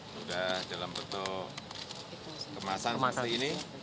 sudah dalam bentuk kemasan masih ini